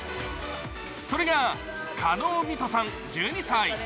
それが加納弥都さん１２歳。